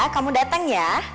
kamu datang ya